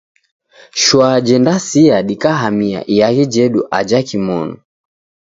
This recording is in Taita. Shwa jendasia dikahamia iaghi jedu aja kimonu.